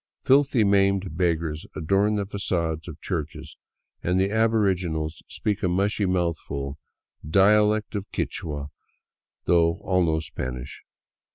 Filthy, maimed beggars adorn the fagades of churches, and the aboriginals speak a mushy, mouthful, dialect of Ouichua, though all know Spanish.